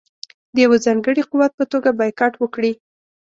د یوه ځانګړي قوت په توګه بایکاټ وکړي.